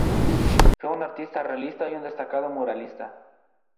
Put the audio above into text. Fue un artista realista y un destacado muralista.